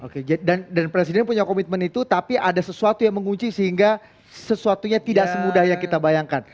oke dan presiden punya komitmen itu tapi ada sesuatu yang mengunci sehingga sesuatunya tidak semudah yang kita bayangkan